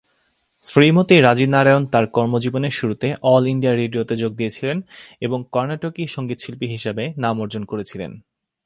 শ্রীমতী রাজী নারায়ণ তাঁর কর্ম জীবনের শুরুতে অল ইন্ডিয়া রেডিওতে যোগ দিয়েছিলেন এবং কর্ণাটকী সংগীতশিল্পী হিসাবে নাম অর্জন করেছিলেন।